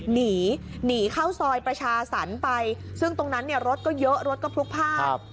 หนีหนีเข้าซอยประชาสรรค์ไปซึ่งตรงนั้นเนี่ยรถก็เยอะรถก็พลุกพลาด